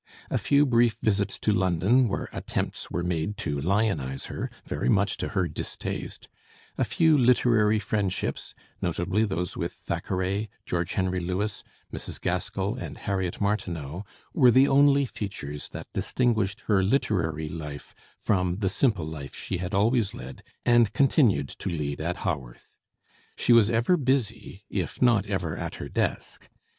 A few brief visits to London, where attempts were made to lionize her, very much to her distaste, a few literary friendships, notably those with Thackeray, George Henry Lewes, Mrs. Gaskell, and Harriet Martineau, were the only features that distinguished her literary life from the simple life she had always led and continued to lead at Haworth. She was ever busy, if not ever at her desk.